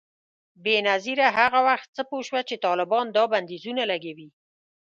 بېنظیره هغه وخت څه پوه شوه چي طالبان دا بندیزونه لګوي؟